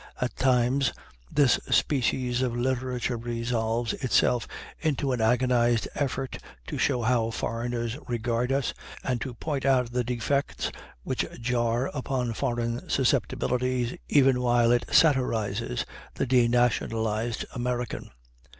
At times this species of literature resolves itself into an agonized effort to show how foreigners regard us, and to point out the defects which jar upon foreign susceptibilities even while it satirizes the denationalized American.